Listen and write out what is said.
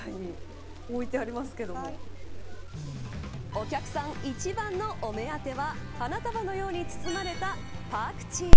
お客さん一番のお目当ては花束のように包まれたパクチー。